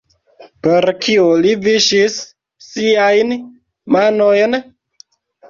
Per kio li viŝis siajn manojn?